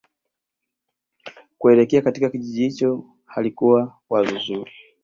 kuelekea katika kijiji hicho halikuwa wazo zuri